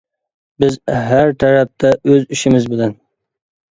بىز ھەر تەرەپتە ئۆز ئىشىمىز بىلەن.